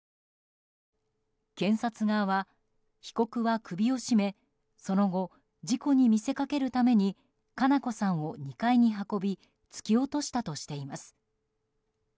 検察側は、被告は首を絞めその後、事故に見せかけるために佳菜子さんを２階に運び突き落としたとしています。